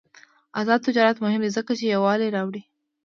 آزاد تجارت مهم دی ځکه چې یووالي راوړي.